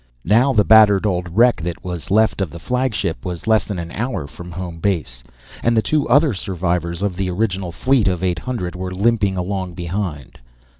Now the battered old wreck that was left of the flagship was less than an hour from home base, and the two other survivors of the original fleet of eight hundred were limping along behind.